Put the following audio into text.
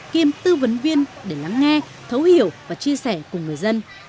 kiêm tư vấn viên để lắng nghe thấu hiểu và chia sẻ cùng người dân